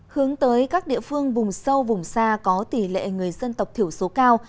hướng tới các địa phương vùng sâu vùng xa có tỷ lệ người dân tộc thiểu số cao